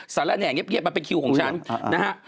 สัตว์แหละเนี่ยเยี่ยมมันเป็นคิวของฉันนะฮะ